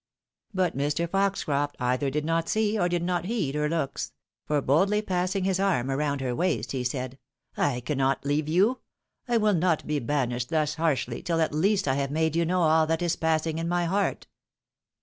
But Mr. Foxcroft either did not see, or did not heed her looks ; for boldly passing his arm around her waist, he said, " I cannot leave you ! I wiU not be banished thus harshly tUi at least I have made you know all that is passmg in my heart.